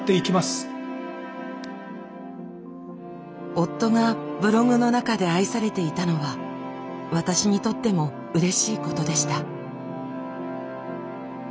夫がブログの中で愛されていたのは私にとってもうれしいことでした。